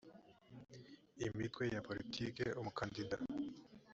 imitwe ya politiki umukandida